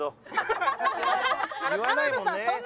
田辺さん